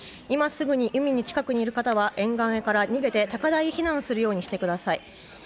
今すぐに海に近くにいる方は沿岸から逃げて高台に避難するようにしてください。